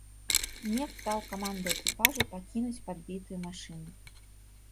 Неф даў каманду экіпажу пакінуць падбітую машыну.